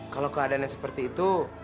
kalau keadaannya seperti itu